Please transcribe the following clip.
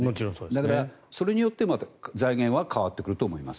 だから、それによって財源は変わってくると思います。